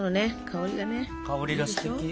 香りがすてき。